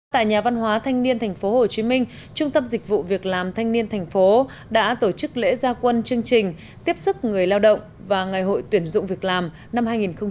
tại nhà văn hóa thanh niên tp hcm trung tâm dịch vụ việc làm thanh niên tp đã tổ chức lễ gia quân chương trình tiếp sức người lao động và ngày hội tuyển dụng việc làm năm hai nghìn một mươi chín